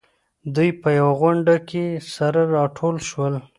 دوی په يوه غونډه کې سره راټول شول.